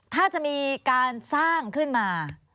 ถ้าจะมีการสร้างขึ้นมา